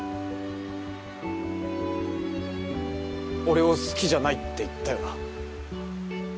俺を好きじゃないって言ったよな？